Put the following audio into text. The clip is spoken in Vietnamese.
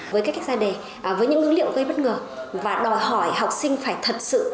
với các cách ra đề với những ngữ liệu gây bất ngờ và đòi hỏi học sinh phải thật sự